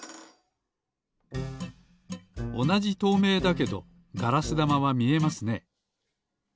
おなじとうめいだけどガラスだまはみえますね。